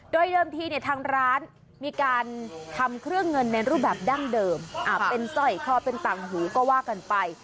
โดยเดิมทีเนี่ยทางร้านมีการทำเครื่องเงินในรูปแบบดั้งเดิมเป็นสร้อยคอเป็นต่างหูก็ว่ากันไป